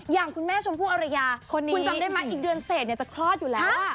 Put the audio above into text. อย่างคุณแม่ชมพู่อรยาคุณจำได้ไหมอีกเดือนเศษจะคลอดอยู่แล้ว